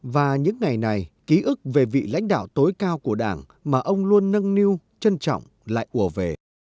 và những ngày này ký ức về vị lãnh đạo tối cao của đảng mà ông luôn nâng niu trân trọng lại ủa về